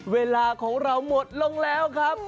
เวลาของเราหมดลงแล้วครับ